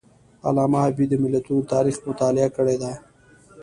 علامه حبیبي د ملتونو د تاریخ مطالعه کړې ده.